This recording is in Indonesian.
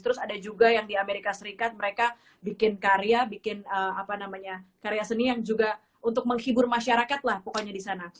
terus ada juga yang di amerika serikat mereka bikin karya bikin apa namanya karya seni yang juga untuk menghibur masyarakat lah pokoknya di sana